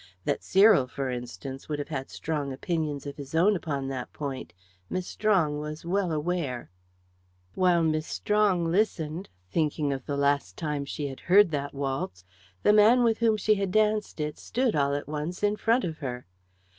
That Cyril, for instance, would have had strong opinions of his own upon that point, Miss Strong was well aware. While Miss Strong listened, thinking of the last time she had heard that waltz, the man with whom she had danced it stood, all at once, in front of her.